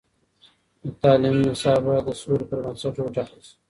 د تعلیم نصاب باید د سولې پر بنسټ وټاکل شي.